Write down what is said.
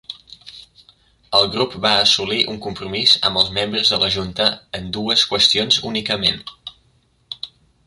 El grup va assolir un compromís amb els membres de la junta en dues qüestions únicament.